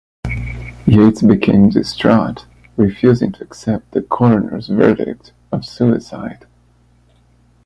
Yates became distraught, refusing to accept the coroner's verdict of suicide.